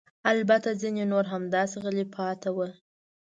البته ځیني نور همداسې غلي پاتې ول.